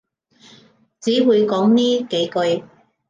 只會講呢幾句話